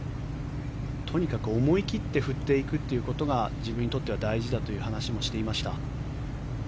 とにかく思い切って振っていくということが自分にとっては大事だという話もしていました。